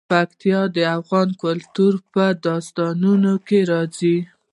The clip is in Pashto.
پکتیا د افغان کلتور په داستانونو کې راځي.